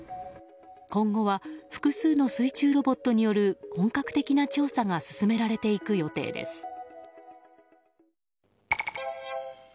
今後は複数の水中ロボットによる本格的な調査が進められていく予定です。